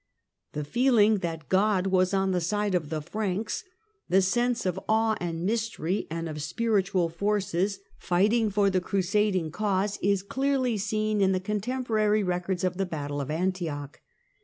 The feeling that God was on the side of the Franks, the sense of awe and mystery, and of spiritual forces fighting for 144 THE CENTRAL PERIOD OF THE MIDDLE AGE the crusading cause, is clearly seen in the contemporary records of the battle of Antioch.